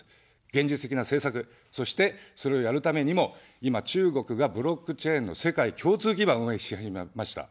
現実的な政策、そして、それをやるためにも今、中国がブロックチェーンの世界共通基盤を運営し始めました。